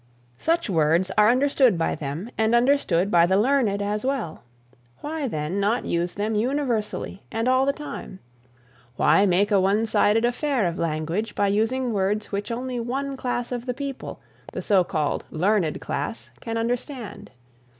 Such words are understood by them and understood by the learned as well; why then not use them universally and all the time? Why make a one sided affair of language by using words which only one class of the people, the so called learned class, can understand?